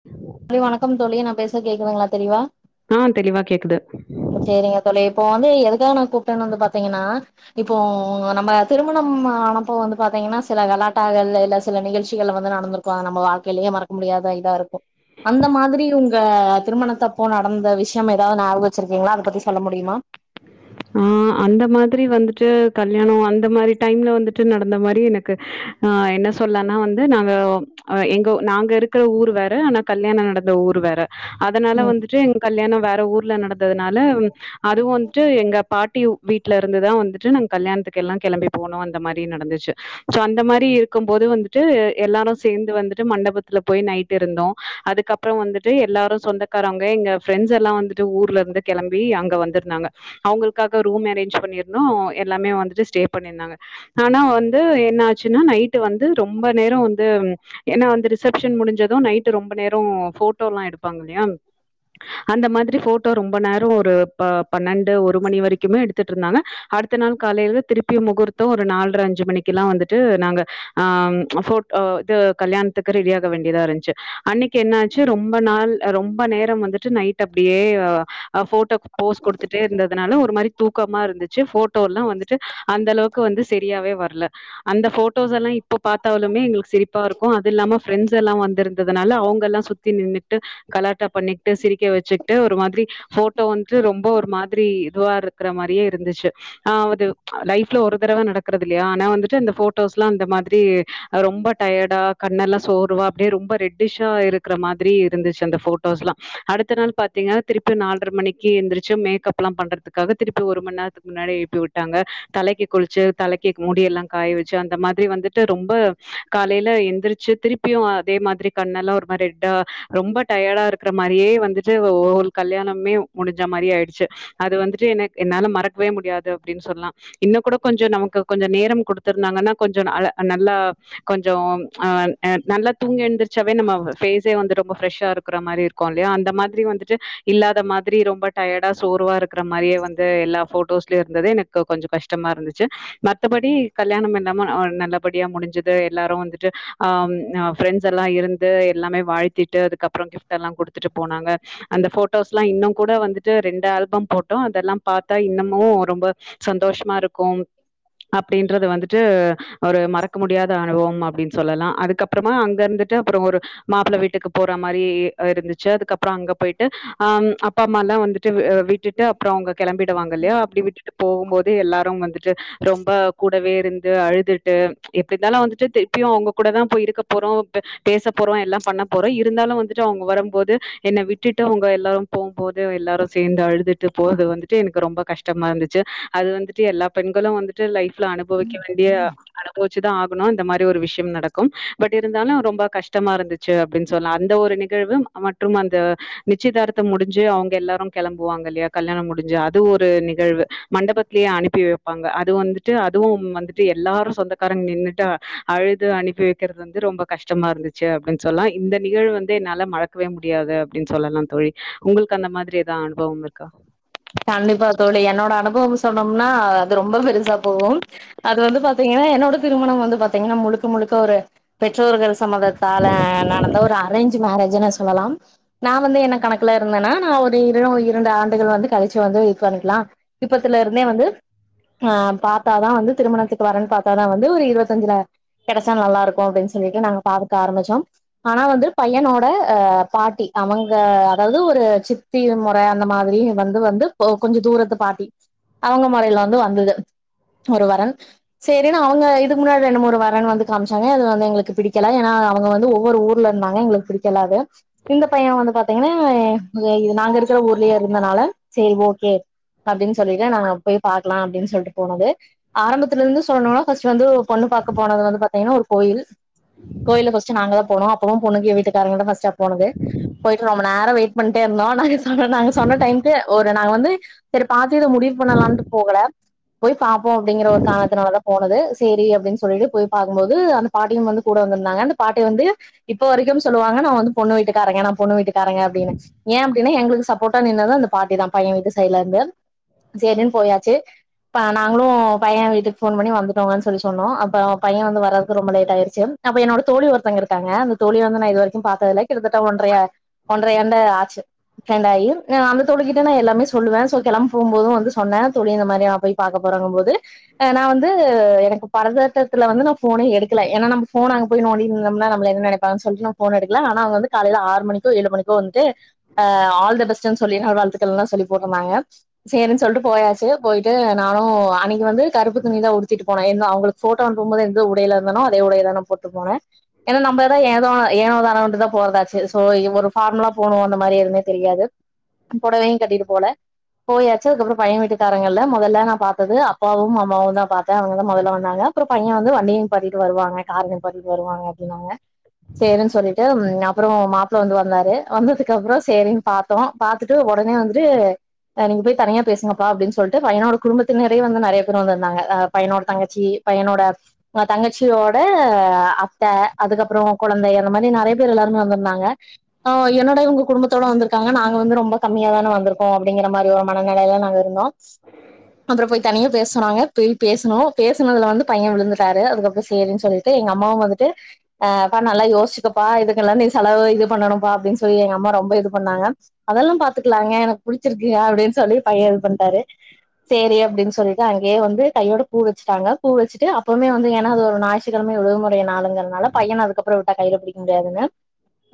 [inaudible] தோழி வணக்கம் தோழி நா பேச கேக்குதுங்ளா தெளிவா ஆ தெளிவா கேக்குது சேரிங்க தோழி இப்போ வந்து எதுக்காக நா கூப்ட்டன்னு வந்து பாத்தீங்கனா இப்போ நம்ம திருமணம் ஆனப்போ வந்து பாத்தீங்கனா சில கலாட்டாகள் இல்ல சில நிகழ்ச்சிகள் வந்து நடந்துரு க்கு நம்ம வாழ்கையிலே மறக்க முடியாத இதா இருக்கு அந்த மாதிரி உங்க திருமணத்தப்போ நடந்த விஷயம் ஏதாது ஞாபகோ வச்சிருக்கீங்ளா அத பத்தி சொல்ல முடிமா ஆ அந்த மாதிரி வந்துட்டு கல்யாணோ அந்த மாரி டைம்ல வந்துட்டு நடந்த மாரி எனக்கு ஆ என்ன சொல்லன்னா வந்து நாங்க அ எங்க நாங்க இருக்குற ஊர் வேற ஆனா கல்யாணோ நடந்த ஊர் வேற அதனால ம் வந்துட்டு எங் கல்யாணோ வேற ஊர்ல நடந்ததுனால அதுவு வந்துட்டு எங்க பாட்டியு வீட்ல இருந்துதா வந்துட்டு நாங்க கல்யாணத்துக்கு எல்லா கிளம்பி போனோ அந்த மாரி நடந்துச்சு சோ அந்த மாரி இருக்கு போது வந்துட்டு எல்லாரு சேந்து வந்துட்டு மண்டபத்துல போய் நைட் இருந்தோ அதுக்கப் அப்புறோ வந்துட்டு எல்லாரு சொந்தக்காரவங்க எங்க ஃப்ரெண்ட்ஸ் எல்லா வந்துட்டு ஊர்ல இருந்து கிளம்பி அங்க வந்துருந்தாங்க அவங்களுக்காக ரூம் அரேஞ் பண்ணிருந்தோ எல்லாமே வந்துட்டு ஸ்டே பண்ணிருந்தாங்க ஆனா வந்து என்ன ஆச்சுன்னா நைட்டு வந்து ரொம்ப நேரோ வந்து ஏன்னா வந்து ரிசப்ஷன் முடிஞ்சது நைட்டு் ரொம்ப நேரோ ஃபோட்டோல்லா எடுப்பாங்க இல்லையா அந்த மாதிரி ஃபோட்டோ ரொம்ப நேரோ ஒரு பன்னெண்டு ஒரு மணி வரைக்கு க்குமே எடுத்துட்டு இருந்தாங்க அடுத்த நாள் காலையிலே திருப்பியு முகூர்த்தோ ஒரு நால்ர அஞ்சு மணிக்கு லா வந்துட்டு நாங்க ஆம் ஃபோட் இது கல்யாணத்துக்கு ரெடி ஆக வேண்டியதா இருஞ்ச்சு அன்னைக்கு என்ன ச்சு ரொம்ப நாள் ரொம்ப நேரம் வந்துட்டு நைட் அப்டியே அ ஃபோட்டோக் போஸ் குடுத்துட்டே இருந்ததுனால ஒரு மாரி கமா இருந்துச்சு ஃபோட்டோல்லா வந்துட்டு அந்த அளவுக்கு வந்து சரியாவே வரல அந்த ஃபோட்டோஸ் எல்லா இப்ப பாத்தாலுமே எங்களுக்கு சிரிப்பா இருக்கு அது இல்லாம ஃப்ரெண்ட்ஸ் எல்லா வந்துருந்ததுனால அவங்கல்லா சுத் தி நின்னுட்டு கலாட்டா பண்ணிக்கிட்டு சிரிக்க வச்சிட்டு ஒரு மாதிரி ஃபோட்டோ வந்துட்டு ரொம்ப ஒரு மாதிரி இதுவா இரு இருக்குற மாரியே இருந்துச்சு ஆவது லைஃப்ல ஒரு தடவ நடக்குறது இல்லையா ஆனா வந்துட்டு அந்த ஃபோட்டோஸ்ல்லா அந்த மாதிரி அது ரொம்ப டயர்டா கண்ணெல்லா சோர்வா அப்டியே ரொம்ப ரெட்டிஷா இருக்கிற மாதிரி இருந்துச்சு அந்த ஃபோட் டோஸ்லா அடுத்த நாள் பாத்தீங்கனா திருப்பி நால்ர மணிக்கு எந்திரிச்சு மேக்கப்ல்லா பண்றதுக்கு ககத்திருப்பி ஒரு மண் நரத் முன்னாடியே எழுப்பி உட்டாங்க தலைக்கு குளிச்சு தலைக்கு முடியல்லா காய வச்சு அந்த மாதிரி வந்துட்டு ரொம்ப காலைல எந்திரிச்சு திருப்பியு அதே மாதிரி கண்ணெல்லா ஒரு மாரி ரெட்டா ரொம்ப டயர்டா இருக்குற மாரியே வந்துட்டு ஹோல் கல்யாணமே முடிஞ்ச மாரி ஆய்டுச்சு அது வந்து என்னால மறக்வே முடியாது அப்டின் சொல்லா இன்னு கூட கொஞ்சோ நமக்கு கொஞ்சோ நேரம் குடுத்துருந்தாங்கன்னா கொஞ்சோ அழ நல்லா கொஞ்சோ அ அ நல்லா தூங்கி எந்திரிச்சாவே நம்ம பேஸே வந்து ரொம்ப ஃப்ரெஷ்ஷா இருக்கிற மாரி இருக்கு இல்லயா அந்த மாதிரி வந்துட்டு இல்லாத மாதிரி ரொம்ப டயர்டா சோர்வா இருக்கு க்குற மாரியே வந்து எல்லா போட்டோஸ்லயு இருந்தது எனக்கு கொஞ்சோ கஷ்டமா இருந்துச்சு மத்தபடி கல்யாணம் இல்லாம அ நல்லபடியா முடிஞ்சது எல்லாரு வந்துட்டு ஆ ஆ ஃப்ரெண்ட்ஸ் எல்லா இருந்து எல்லாமே வாழ்த்திட்டு அதுக்கப்றோ கிஃப்ட் எல்லா குடுத்துட்டு போனாங்க அந்த ஃபோட்டோஸ்லா இன்னு கூட வந்துட்டு ரெண்டு அல் டு அதெல்லா பாத்தா இன்னமு ரொம்ப சந்தோஷமா இருக்கும் அப்டின்றது வந்துட்டு ஒரு மறக்க முடியாத அனுபவம் அப்டின்னு சொல்லலா அதுக்கப்றமா அங்க இருந்துட்டு அப்றோ ஒரு மாப்பிள வீட்டுக்கு போற மாரி இ இருந்துச்சு அதுக்கப்பறோ அங்க போயிட்டு ஆ அப்பா அம்மால்லா வந்துட்டு வி விட்டு அப்பறோ அவங்க கெளம்பிடுவாங்க இல்லையா அப்படி விட்டுட்டு போகும்போது எல்லாரு வந்துட்டு ரொம்ப கூடவே இருந்து அழுதுட்டு எப்டி இருந்தாலு வந்துட்டு திருப்பியு அவங்ககூடதா போய் இருக்க போறோ பே பேச போறோ எல்லா பண்ண போறோ இருந்தாலு வந்துட்டு அவங்க வரும்போது என்னை விட்டுட்டு அவங்க எல்லாரு போம்போது எல்லாரு சேந்து அழுதுட் டுபோக வந்துட்டு எனக்கு ரொம்ப கஷ்டமா இருந்துச்சு அது வந்துட்டு எல்லா பெண்களு வந்து ட்டு லைஃப்ல அனுபவிக்க வேண்டிய அனுபவிச்சுதா ஆகணு இந்த மாரி ஒரு விஷயம் நடக்கும் பட் இருந்தாலு ரொம்ப கஷ்டமா இருந்து ச்சு அப்டின்னு சொல்லா அந்த ஒரு நிகழ்வு மற்றும் அந்த நிச்சயதார்த்தம் முடிஞ்சு அவங்க எல்லாரும் கெளம்புவாங்க இல்லையா கல்யாணம் முடிஞ்சு அது ஒரு நிகழ்வு மண்டபத்திலேயே அனுப்பி வைப்பாங்க அது வந்துட்டு அதுவும் வந்து ட்டு எல்லாரு சொந்தக்காரங்க நின்னுட்டு அழுது அனுப்பி வைக்கிறது வந்து ரொம்ப கஷ்டமா இருந்துச்சு அப்டின்னு சொல்லா இந்த நிகழ்வு வந்து என்னால மறக் க்கவே முடியாது அப்படின்னு சொல்லலா தோழி உங்களுக்கு அந்த மாதிரி ஏதா அனுபவம் இருக்கா கண்டிப்பா தோழி, என்னோட அனுபவம் சொன்னோம்னா அது ரொம்ப பெருசா போகும் அது வந்து பாத்தீங்கனா என்னோட திருமணம் வந்து பாத்தீங்கனா முழுக்க முழுக்க ஒரு பெற்றோர்கள் சம்மதத்தால நடந்த ஒரு அரேஞ்ச் மரேஜ்ன்னு சொல்லலாம் நா வந்து என்ன கணக்குல இருந்தனா நா ஒரு இரு இரண்டு ஆண்டுகள் வந்து கழிச்சு வந்து இது பண்ணிக்லா இப்பத்துல இருந்தே வந்து அ பாத்தாதா வந்து திருமணத்துக்கு வரன் பாத்தாதா வந்து ஒரு இருவத்தஞ்சுல கெடச்சா நல்லா இருக்கு அப்டின்னு சொல்லிட்டு நாங்க பாக்க ஆரம்பிச்சோ ஆனா வந்து பையனோட அ பாட்டி அவங்க அதாவது ஒரு சித்தி மொற அந்த மாதிரி வந் து வந்து கொஞ்ச தூரத்து பாட்டி அவங்க மொறைல வந்து வந்துது ஒரு வரன் சேரின்னு அவங்க இதுக்கு முன்னாடி ரெண்டு மூனு வரன் வந்து காமிச்சாங்க அது வந்து எங்களுக்கு பிடிக்கல ஏனா அவங்க வந்து ஒவ்வொரு ஊ ருல இருந்தாங்க எங்களுக்கு பிடிக்கல அது இந்த பைய வந்து பாத்தீங்கனா இது நாங்க இருக்கிற ஊர்லயே இருந்தனால சேரி ஓகே அப்டின்னு சொல்லிட்டு நாங்க போய் பாக்கலா அப்டின்னு சொல்லிட்டு போனது ஆரம்பத்துல இருந்து சொல்லணுனா ஃபர்ஸ்ட் வந்து பொண்ணு பாக்க போனது வந்து பாத்தீங்கனா ஒரு கோயில் கோயில்ல ஃபஸ்ட் நாங்கதா போனோ அப்பவு பொண்ணுங்க வீட்டுக்காரங்கதா ஃப்ஸ்ட்டா போனது போயிட்டு ரொம்ப நேர வெயிட் பண்ணிட்டே இருந்தோ நாங்க சொன்ன நாங்க சொன்ன டைம்க்கு ஒரு நாங்க வந்து சேரி பாத்து இத முடிவு பண்ணலாம்ட்டு போகல போய் பாப்போ அப்டிங்கிற ஒரு காரணத்தினாலதா போனது சேரி அப்படின்னு சொல்லிட்டு போய் பாக்கும்போது அந்த பாட்டியும் வந்து கூட வந்திருந்தாங்க அந்த பாட்டி வந்து இப்ப வரைக்கும் சொல்லுவாங்க நா வந்து பொண்ணு வீட்டுக்காரங்க நா பொண்ணு வீட்டுக்காரங்க அப்டின்னு ஏ அப்டின்னா எங்களுக்கு சப்போர்ட்டா நின்னதும் அந்த பாட்டிதா பைய வீட்டு சைடுல இருந்து சேரின்னு போயாச்சு அப்ப நாங்களு பைய வீட்டுக்கு ஃபோன் பண்ணி வந்துட்டோங்கன்னு சொல்லி சொன்னோ அப்போ பைய வந்து வர்றதுக்கு ரொம்ப லேட் ஆகிடுச்சு அப்ப என்னோட தோழி ஒருத்தவங்க இருக்காங்க அந்த தோழிய வந்து நா இது வரைக்கு பாத்தது இல்ல கிட்டத்தட்ட ஒன்றைய ஒன்ட்றையாண்டு ஆச்சு ஃப்ரண்டாயி நா வந்து தோழிக்கிட்ட நா எல்லாமே சொல்வே சோ கெளம்ப போம்போதும் வந்து சொன்னே தோழி இந்த மாரி நா போய் பாக்க போறங்கும்போது அ நா வந்து எனக்கு பதட்டத்துல வந்து நா ஃபோனே எடுக்கல ஏன்னா நம்ம ஃபோன் அங்க போய் நோன்டிட்டுருந்தோம்னா நம்மல எதும் நெனப் பாங்கனு சொல்லிட்டு நா ஃபோன் எடுக்கல ஆனா அவங்க வந்து காலைல ஆறு மணிக்கோ ஏழு மணிக்கோ வந்து அ ஆல் த பெஸ்ட்டுனு சொல்லி என்னோட வாழ்த்துக்கள்லா சொல்லி போட்ருந்தாங்க சேரின்னு சொல்லிட்டு போயாச்சு போயிட்டு நானும் அன்னைக்கு வந்து கருப்பு துணிதா உடுத்திட்டு போனே என்னு அவங்களுக் ஃபோட்டோ அனுப்பும்போது எந்த உடைல இருந்தனோ அதே உடைய தா நா போட்டு போனே ஏன்னா நம்ம தா ஏதோ ஏனோதானோன்ட்டு தா போறதாச்சு சோ இது ஒரு ஃபார்முலா போணு அந்த மாரிஎதுமே தெரியாது பொடவையு கட்டிட்டு போல போயாச்சு அதுக்கப்றோ பைய வீட்டுக்காரங்கள்ல்ல மொதல்ல நா பாத்தது அப்பாவும் அம்மாவும் தா பாதே அவுங்கதா மொதல்ல வந்தாங்க அப்றோ பைய வந்து வண்டிய நிப்பாட்டிட்டு வருவாங்க கார்ர நிப்பாட்டிட்டு வருவாங்க அப்டினாங்க சேரின் சொல்லிட்டு அப்றோ மாப்ள வந்து வந்தாரு வந்ததுக்கு அப்றோ சேரின் பாத்தோ பாத் ட்டு ஒடனே வந்துட்டு நீங்க போய் தனியா பேசுங்கப்பா அப்டின் சொல்ட்டு பையனோட குடும்பத்தினரே வந்து நெறைய பேரு வந்துருந்தாங்க அ பயனோட தங்கச்சி பயனோட அ தங்கச்சியோட அத்த அதுக்கப்றோ கொழந்தை அந்த மாரி நெறைய பேர் எல்லாருமே வந்திருந்தாங்க ஆ என்னடா இவுங்க குடும்பத்தோட வந்திருக்காங்க நாங்க வந்து ரொம்ப கம்மியா தானே வந்திருக்கோ அப்டிங்கிற மாரி ஒரு மனநிலைல நாங்க இருந்தோ அப்றோ போய் தனியா பேச சொன்னாங்க பேய் பேசுனோ பேசனதுல வந்து பைய விழுந்துட்டாரு அதுக்கப்றோ சேரின் சொல் ட்டு எங்க அம்மாவு வந்துட்டு அ பா நல்லா யோசிசுச்க் பா இதுக்கெல்லா நீ செலவு இது பண்ணணும் பா அப்டின் சொல்லி எங்கம்மா ரொம்ப இது பண்ணாங்க அதெல்லா பா த்துக்லாங்க எனக்கு புடிச்சிருக்குக அப்டி சொல்லி பைய இது பண்ட்டாரு சேரி அப்டின் சொல் து அங்கேயே வந்து கையோட பூ வச்ட்டாங்க பூ வச்சுட்டு அப்பமே வந்து ஏன்னா அது ஞாயிற்றுக்கிழம விடுமுறை நாளுங்ற நாள பையன அதுக்கப்றோ விட்டா கைல பிடிக்க முடியாதுங்க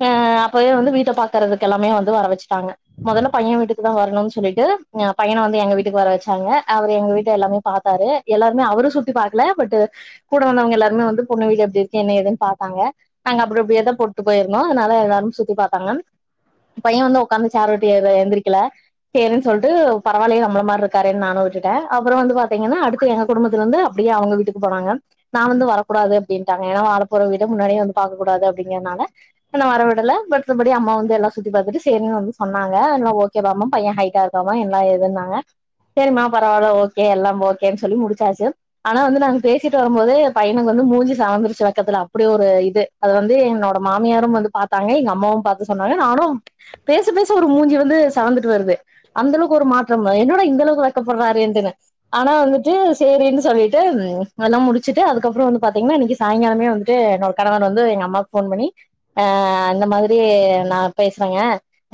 ஆ அப்பவே வந்து வீட்ட பாக்கறதுக்கு எல்லாமே வந்து வர வச்ட்டாங்க மொதல்ல பைய வீட்டுக்கு தா வரணுன் சொல்லிட்டு அ பையன வந்து எங்க வீட்டுக்கு வர வச்சாங்க அவரு எங்க வீட்ட எல்லாமே பாத்தாரு எல்லாருமே அவரு சுத்தி பாக்கல பட் கூட வந்தவுங்க எல்லாருமே வந்து பொண்ணு வீடு எப்டி இருக்கு என்ன ஏதுன் பாத்தாங்க நாங்க அப்டி அப்டியேதா போட்டு போயிருந்தோ அதனால எல்லாரு சுத்தி பார்த்தாங்க பைய வந்து ஒக்காந்து சேர விட்டு அவ எந்திரிக்கல சேரினு சொல்ட்டு பரவாலயே நம்மள மார் இருக்காறே நானு விட்டுட்டே அப்பறோ வந்து பாத்தீங்கன்னா அடுத்து எங்க குடும்பத்துல இந்து அப்டியே அவுங்க வீட்டுக்கு போனாங்க நா வந்து வரக்கூடாது அப்டின் ட்டாங்க ஏனா வாழ போற வீட முன்னாடியே வந்து பாக்க கூடாது அப்டிங்கிறனால என்ன வர விடல மத்த படி அம்மா வந்து எல்லா சுத்தி பாத்துட்டு சேரினு வந்து சொன்னாங்க எல்லா ஓக்கே தாமா பைய ஹைட்டா இருக்காமா என்ன ஏதுன்னாங்க சரிம்மா பரவால ஓக்கே எல்லாம் ஓக்கேன் சொல்லி முடுச்சாச்சு ஆனா வந்து நாங் பேசிட்டு வரும்போது பையனுக்கு வந்து மூஞ்சி செவந்திருச்சு வெக்கத்துல அப்படி ஒரு இது அது வந்து என்னோட மாமியாரும் வந்து பாத்தாங்க எங்க அம்மாவு பாத்து சொன்னாங்க நானும் பே ச பேச ஒரு மூஞ்சி வந்து செவந்துட்டு வருது அந்த அளவுக்கு ஒரு மாற்றம் என்னடா இந்த அளவுக்கு வெக்கப்பட்றாறேன்ட்டுனு ஆனா வந்துட்டு சேரினு சொல்லிட்டு ம் அதலா முடிச்சிட்டு அதுக்கப்பறோ வந்து பாத்தீங்ன்னா இன்னைக்கு சாய்ங்காலமே வந்துட்டு என்னோட கணவன் வந்து எங்க அம்மாக்கு ஃபோன் பண்ணி ஆ இந்த மாதிரி நா பேசுறங்க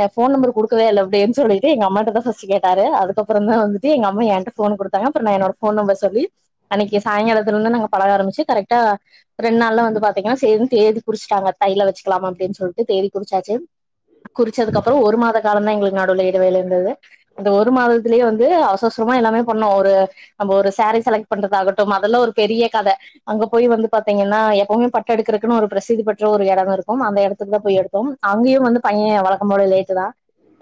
ஏ ஃபோன் நம்பர் குடுக்கவே இல்ல அப்டின் சொல்லிட்டு எங்க அம்மாட்டதா ஃபர்ஸ்ட்டு கேட்டாரு அதுக்கப்பறந்தா வந்துட்டு எங்க அம்மா ஏண்ட்ட ஃபோன குடுத்தாங்க அப்றோ நா என்னோட ஃபோன் நம்பர் சொல்லி அன்னைக்கு சாய்ங்காலத்துல இருந்து நாங்க பழக ஆரம்பிச்சு கரக்ட்டா ரெண்டு நாள்ல வந்து பாத்தீங்கனா சேரின் தேதி குறிச்ட்டாங்க தைலா வச்சுக்லாமா அப்டின் சொல்ட்டு தேதி குறிச்சாச்சு குறிச்சதுக்கப்பறோ ஒரு மாத காலந்தா எங்களுக்கு நடுவுல இடைவேள இருந்தது அந்த ஒரு மாதத்திலேயே வந்து அவ்ச அவ்சரமா எல்லாமே பண்ணோ ஒரு நம்ம ஒரு சேரி செலக்ட் பண்றதாகட்டும் அதெல்லா ஒரு பெரிய கத அங்க போய் வந்து பாத்தீங்கன்னா எப்பவுமே ப ட்டு எடுக்கறக்குனு ஒரு பிரசித்தி பெற்ற ஒரு எடம் இருக்கும் அந்த இடத்துக்கு தா போய் எடுத்தோம் அங்கயு வந்து பைய வளத் நம்மோட லேட்டு தா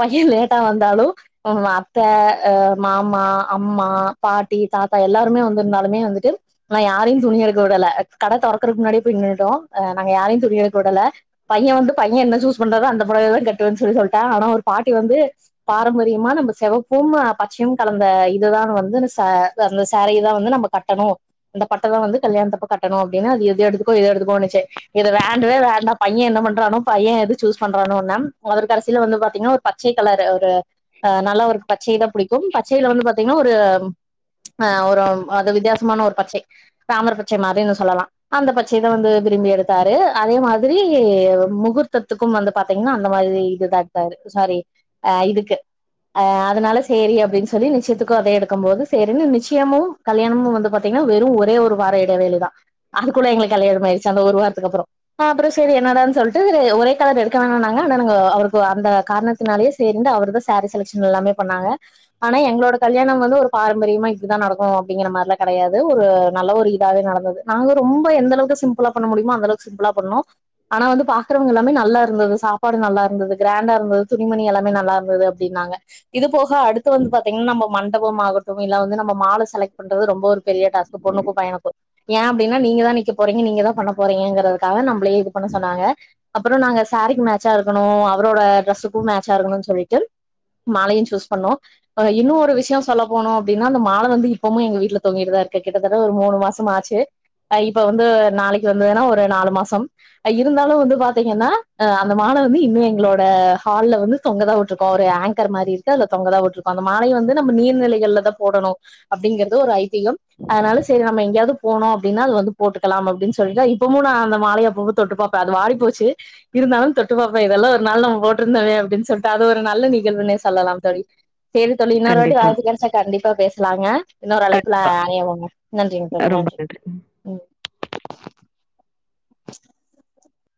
பைய லேட்டா வந்தாலு வ்ங்க அத்த அ மாமா அம்மா பாட்டி தாத்தா எல்லாருமே வந்திருந்தாலுமே வந்துட்டு நா யாரையு துணி எடுக்க விடல கட தொறக்கறக்கு முன்னாடியே போய் நின்னுட்டோ அ நாங்க யாரையு துணி எடுக்க விடல பைய வந்து பைய என்ன சூஸ் பண்றாறோ அந்த புடவய தா கட்டுவேன்னு சொல்லி சொல்லிட்டா ஆனா ஒரு பாட்டி வந்து பாரம்பரியமா நம்ம செவப்பும் பச்சையும் கலந்த இதுதா வந்து ச அந்த சேரியதா வந்து நம்ம கட்டணு அந்த பட்டதா வந்து கல்யாணத்தப்ப கட்டணு அப்டின்னா அது இது எடுத்துக்கோ இது எடுத்துக்கோனுச்சு இது வேண்டவே வேண்டா பைய என்ன பண்றானோ பைய எது சூஸ் பண்றானோ ந அவரு கடைசில வந்து பாத்தீங்கன்னா ஒரு பச்சை கலர் ஒரு அ நல்லா ஒரு பச்சிளம் பிடிக்கும் பச்சையில வந்து பாாரத்தீங்கன்னா ஒரு ஆ ஒரு அது வித்தியாசமான ஒரு பச்சை தாமிரபச்சை மாரின்னு சொல்லலா அந்த பச்சைதா வந்து விரும்பி எடுத்தாரு அதே மாதிரி முகூர்த்தத்துக்கு வந்து பாத்தீங்கன்னா அந்த மாதிரி இது தா எடுத்தாரு சாரி ஆ இதுக்கு அ அதனால சேரி அப்படின்னு சொல்லி நிச்சயத்துக்கு அதே எடுக்கு போது சரினு நிச்சயமு கல்யாணமு வந்து பாத்தீங்கன்னா வெறு ஒரே ஒரு வார இடைவெளி தா அதுக்குள்ள எங்களுக்கு கல்யானோ ஆய்ருச்சு அந்த ஒரு வாரத்துக்கு அப்பறோ நா அப்பறோ செரி என்னடானு சொல்லிட்டு ஒரே கலர் எடுக்க வேணா ஆனாங்க அவருக்கு அந்த காரணத்தினாலயே சேர்ந்து அவர் தா சாரி செலக்க்ஷன் எல்லாமே பண்ணாங்க ஆனா எங்களோட கல்யாணம் வந்து ஒரு பாரம்பரியமா இப்டிதா நடக்கு அப்டிங்கிற மாரிலா கிடையாது ஒரு நல்ல ஒரு இதாவே நடந்தது நாங்க ரொம்ப எந்தளவுக்கு சிம்ப்ளா பண்ண முடியுமோ அந்தளவுக்கு சிம்ப்ளா பண்ணோ ஆனா வந்து பாக்கறவங்க எல்லாமே நல்லா இருந்தது சாப் புடவ நல்லா இருந்தது கிராண்டா இருந்தது துணிமணி எல்லாமே நல்லா இருந்தது அப்டினாங்க இது போக அடுத்து வந்து பாத்தீங்கன்னா நம்ம மண்டபோ ஆகட்டு இல்ல வந்து நம்ம மால செலக்ட் பண்றது ரொம்ப ஒரு பெரிய டாஸ்க் ஒரு பொண்ணுக்கு பையனுக்கு ஏ அப்டின்னா நீங்கதா நிக்க போறீங்க நீங்கதா பண்ண போறீங்கறதுக்காக நம்பளயே இது பண்ண சொன்னாங்க அப்பறோ நாங்க சாரீக்கு மேட்சா இருக்கணு அவரோட டிரெஸுக்கு மேட்சா இருக்கணு சொல்லிட்டு மாலய சூஸ் பண்ணோ இன்னு ஒரு விஷயோ சொல்ல போணு அப்டின்னா அந்த மால வந்து இப்பமு எங்க வீட்ல தொங்கிட்டுதா இருக்கு கிட்டத்தட்ட ஒரு மூணு மாச மாச்சு இப்ப வந்து நாளைக்கு வந்ததுன்னா ஒரு நாலு மாசம் இருந்தாலு வந்து பாத்தீங்கன்னா அப் ந்த மால வந்து இன்னு எங்களோட ஹால்ல வந்து தொங்கதா விட்ருகோ ஒரு ஆங்கர் மாரி இருக்கு அதுல தொங்கதா விட்ருக் அந்த மாலய வந்து நம்ம நீர்நிலைகள்லதா போடணு அப்டிங்கறது ஒரு ஐதீகம் அதனால செரி நம்ம எங்கயாவது போனோ அப்டின்னா அது வந்து போட்டுக்கலா அப்டின் சொல்லிதா இப்பமு நா அந்த மாலைய அப்பப்ப தொட்டுப்பா இப்ப அது வாடி போச்சு இருந்தாலு தொட்டுப்பாப்ப இதெல்லா ஒரு நாள் நம்ம போட்டிருந்தோமே அப்படின்னு சொல்லிட்டு அது ஒரு நல்ல நிகழ்வுனே சொல்லலா தோழி சேரி தோழி இன்னொரு வாட்டி கண்டிப்பா வாய்ப்பு கிடைச்சா கண்டிப்பா பேசலாங்க இன்னொரு அழைப்புல கண்டிப்பா அணைவோங்க நன்றிங்க தோழி நன்றி